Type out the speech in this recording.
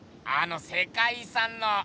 あの世界遺産の。